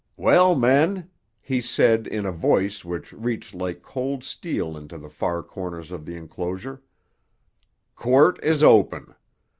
"Well, men," he said in a voice which reached like cold steel into the far corners of the enclosure, "court is open.